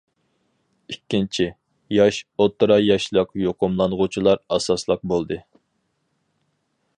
ئىككىنچى، ياش، ئوتتۇرا ياشلىق يۇقۇملانغۇچىلار ئاساسلىق بولدى.